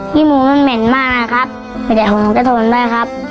ขี้หมูมันเหม็นมากนะครับไปแดกของมันก็โทนได้ครับ